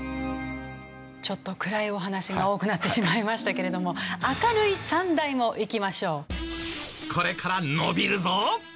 ちょっと暗いお話が多くなってしまいましたけれども明るい３大もいきましょう。